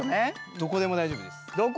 どこでも大丈夫。